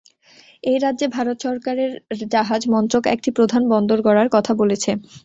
এই রাজ্যে ভারত সরকারের জাহাজ মন্ত্রক একটি প্রধান বন্দর গড়ার কথা বলেছে।